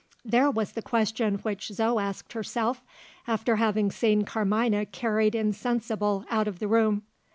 There was the question which Zo asked herself, after having seen Carmina carried insensible out of the room.